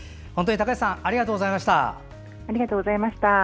高橋さんありがとうございました。